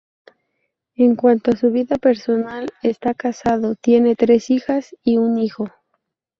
En cuanto a su vida personal, está casado, tiene tres hijas y un hijo.